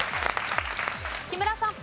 木村さん。